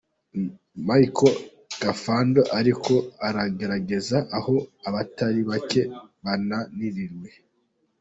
Michel Kafando ariko aragerageza aho abatari bake bananiriwe.